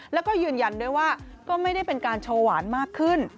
แล้วก็ยืนยันด้วยว่าก็ไม่ได้เป็นการโชว์หวานมากขึ้น